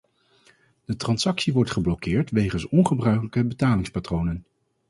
De transactie wordt geblokkeerd wegens ongebruikelijke betalingspatronen.